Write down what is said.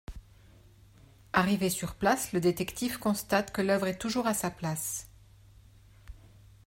Arrivé sur place, le détective constate que l'œuvre est toujours à sa place.